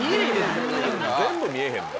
全部見えへんねん。